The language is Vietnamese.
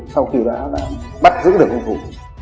sau khi đã bắt giữ được hùng thủ